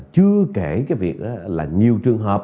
chưa kể cái việc là nhiều trường hợp á